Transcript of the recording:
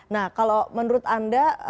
nah kalau menurut anda